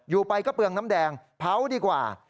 อยู่ไปก็เปลืองน้ำแดงเผาดีกว่า